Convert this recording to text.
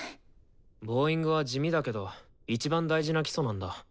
ボーイングは地味だけどいちばん大事な基礎なんだ。